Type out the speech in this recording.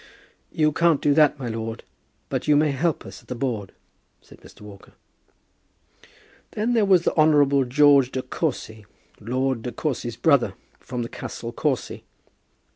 "You can't do that, my lord, but you may help us at the board," said Mr. Walker. Then there was the Hon. George De Courcy, Lord De Courcy's brother, from Castle Courcy.